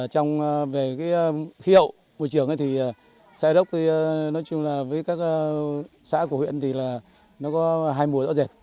trong khí hậu môi trường xã hà đốc với các xã của huyện có hai mùa rõ rệt